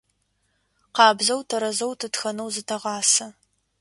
Къабзэу, тэрэзэу тытхэнэу зытэгъасэ.